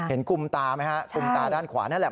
เห็นกุมตาไหมครับกุมตาด้านขวานั่นแหละ